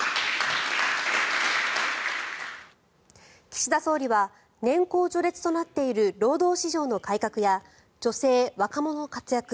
岸田総理は年功序列となっている労働市場の改革や女性・若者の活躍